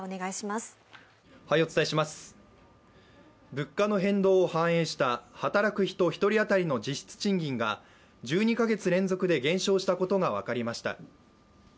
物価の変動を反映した働く人１人当たりの実質賃金が１２か月連続で減少したことが分かりました。